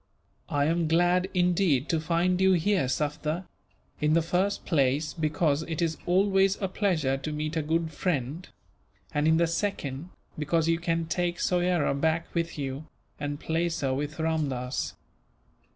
"I am glad, indeed, to find you here, Sufder; in the first place, because it is always a pleasure to meet a good friend; and in the second, because you can take Soyera back with you, and place her with Ramdass."